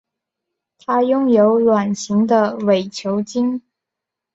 它拥有卵形的伪球茎。